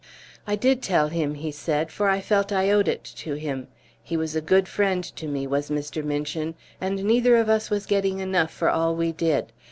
"I did tell him," he said, "for I felt I owed it to him. He was a good friend to me, was Mr. Minchin; and neither of us was getting enough for all we did.